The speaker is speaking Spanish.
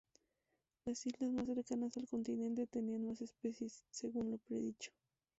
Las islas más cercanas al continente tenía más especies, según lo predicho.